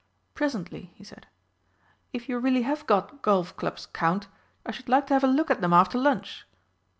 "Presently," he said. "If you really have got golf clubs, Count, I should like to have a look at them after lunch."